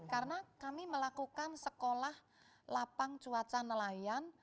karena kami melakukan sekolah lapang cuaca nelayan